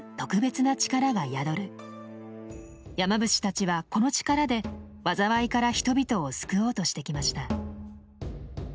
山伏たちはこの力で災いから人々を救おうとしてきました。